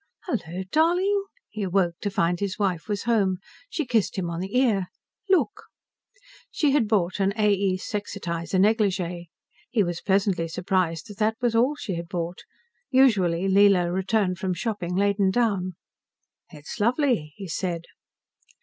"Hello, darling!" He awoke to find his wife was home. She kissed him on the ear. "Look." She had bought an A. E. Sexitizer negligee. He was pleasantly surprised that that was all she had bought. Usually, Leela returned from shopping laden down. "It's lovely," he said.